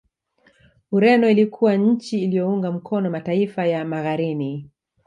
Ureno ilikuwa nchi iliyounga mkono mataifa ya Magharini